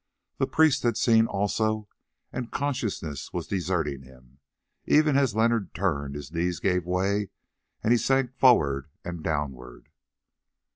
The priest had seen also, and consciousness was deserting him; even as Leonard turned his knees gave way, and he sank forward and downward.